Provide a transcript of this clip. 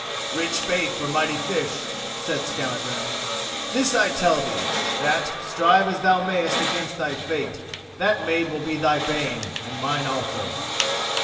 "Rich bait for mighty fish!" said Skallagrim. "This I tell thee: that, strive as thou mayest against thy fate, that maid will be thy bane and mine also."